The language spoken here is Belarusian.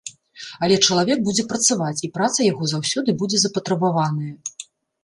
Але чалавек будзе працаваць, і праца яго заўсёды будзе запатрабаваная.